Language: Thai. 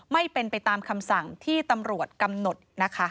ไม่เป็นไปตามคำสั่งที่ตำรวจกำหนดนะคะ